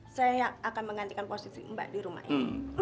saya akan menggantikan posisi mbak di rumah ini